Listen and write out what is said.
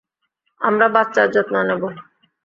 আমরা বাচ্চার যত্ন নেব।